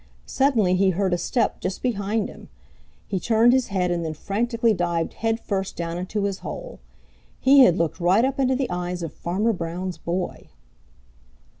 Suddenly he heard a step just behind him. He turned his head and then frantically dived head first down into his hole. He had looked right up into the eyes of Farmer Brown's boy!